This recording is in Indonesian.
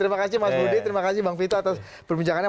terima kasih mas budi terima kasih bang vito atas perbincangannya